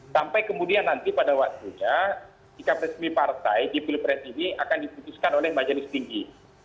sampai kemudian nanti pada waktunya sikap resmi partai di pilpres ini akan diputuskan oleh majelis tinggi